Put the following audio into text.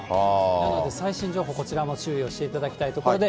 なので最新情報、こちらも注意をしていただきたいところで。